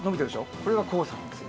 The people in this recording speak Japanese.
これが黄砂なんですよ。